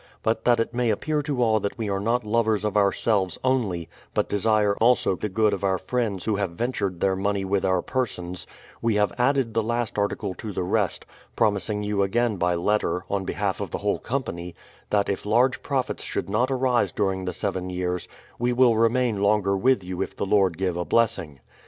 But that it may appear to all that we are not lovers of ourselves only, but desire also the good of our friends who have ventured their money with our persons, we have added the last article to the rest, promising you again by letter, on behalf of the whole company, that if large profits should not arise during the seven years, we will remain longer with you if the Lord give a blessing.